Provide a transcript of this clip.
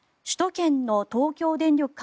首都圏の東京電力